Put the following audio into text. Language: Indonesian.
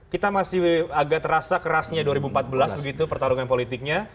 kita masih agak terasa kerasnya dua ribu empat belas begitu pertarungan politiknya